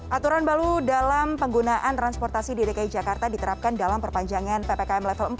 aturan baru dalam penggunaan transportasi di dki jakarta diterapkan dalam perpanjangan ppkm level empat